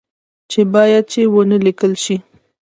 چې باید چي و نه لیکل شي